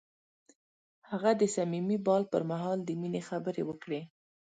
هغه د صمیمي بام پر مهال د مینې خبرې وکړې.